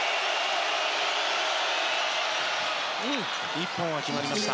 １本は決まりました。